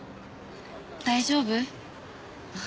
大丈夫？